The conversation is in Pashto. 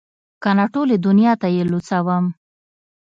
که نه ټولې دونيا ته دې لوڅوم.